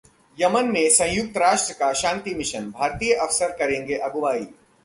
Yemen में संयुक्त राष्ट्र का शांति मिशन, भारतीय अफसर करेंगे अगुवाई